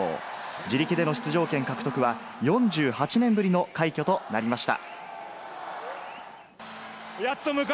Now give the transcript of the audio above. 自力での出場権獲得は４８年ぶりの快挙となりました。